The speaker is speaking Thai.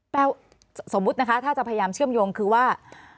สมมุตินะคะถ้าจะพยายามเชื่อมโยงคือว่า